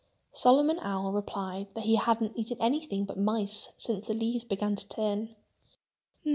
Solomon Owl replied that he hadn't eaten anything but mice since the leaves began to turn.